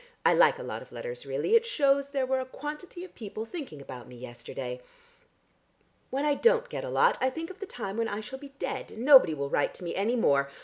I like a lot of letters really; it shews there were a quantity of people thinking about me yesterday. When I don't get a lot, I think of the time when I shall be dead, and nobody will write to me any more.